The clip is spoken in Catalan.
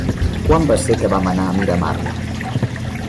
Quan va ser que vam anar a Miramar?